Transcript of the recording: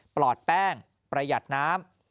ปลอดแป้งประหยัดน้ำ